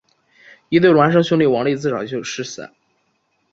一对孪生兄弟王利就自小失散。